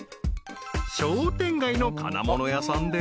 ［商店街の金物屋さんで］